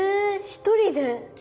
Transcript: １人で？